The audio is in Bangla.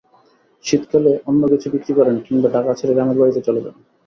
শীতকালে অন্য কিছু বিক্রি করেন কিংবা ঢাকা ছেড়ে গ্রামের বাড়িতে চলে যান।